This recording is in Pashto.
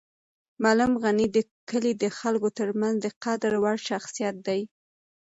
معلم غني د کلي د خلکو تر منځ د قدر وړ شخصیت دی.